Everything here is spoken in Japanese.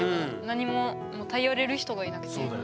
何も頼れる人がいなくて。